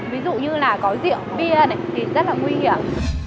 ví dụ như là có rượu bia thì rất là nguy hiểm